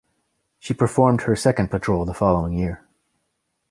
She performed her second patrol the following year.